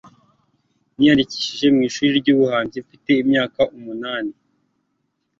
Niyandikishije mu ishuri ryubuhanzi mfite imyaka umunani